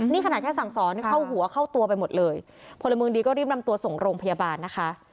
นี่ขนาดแค่สั่งสอนเข้าหัวเข้าตัวไปหมดเลยพลเมืองดีก็รีบนำตัวส่งโรงพยาบาลนะคะ